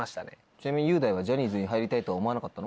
ちなみに雄大はジャニーズに入りたいとは思わなかったの？